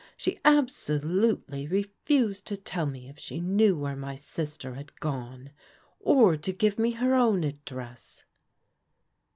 She absolutely refused to tell me if she knew where my sister had gone, or to give me her own address."